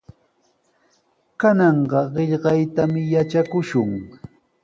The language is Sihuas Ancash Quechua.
Kananqa qillqaytami yatrakushun.